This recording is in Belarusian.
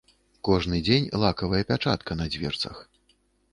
Кожны дзень лакавая пячатка на дзверцах.